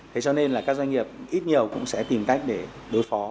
thế cho nên là các doanh nghiệp ít nhiều cũng sẽ tìm cách để đối phó